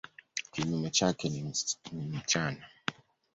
Kinyume chake ni mchana.